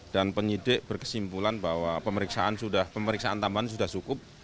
dan penyidik berkesimpulan bahwa pemeriksaan tambahan sudah cukup